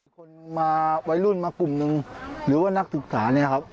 คนมาวัยรุ่นมากลุ่มหนึ่งหรือว่านักศึกษาเนี่ยครับ